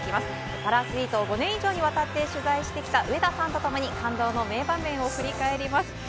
パラアスリートを５年以上にわたって取材してきた上田さんとともに感動の名場面を振り返ります。